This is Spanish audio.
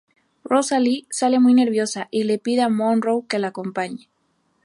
Rosalee se ve muy nerviosa y le pide a Monroe que la acompañe.